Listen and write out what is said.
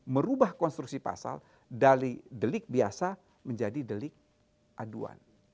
merubah konstruksi pasal dari delik biasa menjadi delik aduan